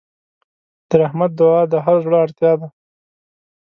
د رحمت دعا د هر زړه اړتیا ده.